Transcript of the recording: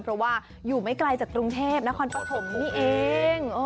เพราะว่าอยู่ไม่ไกลจากกรุงเทพนครปฐมนี่เอง